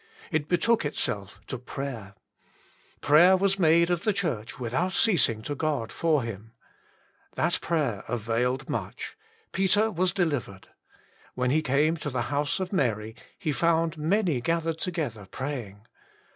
It betook itself to prayer. " Prayer was made of the Church without ceasing to God for him." That prayer availed much ; Peter was delivered. When he came to the house of Mary, lie found " many gathered together praying."